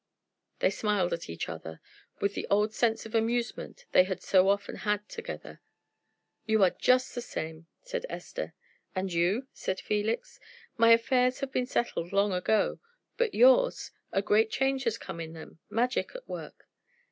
They smiled at each other, with the old sense of amusement they had so often had together. "You are just the same," said Esther. "And you?" said Felix. "My affairs have been settled long ago. But yours a great change has come in them magic at work."